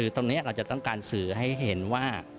ตรงนี้เราจะต้องการสื่อให้เห็นว่า